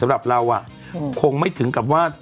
สำหรับเราคงไม่ถึงกับว่า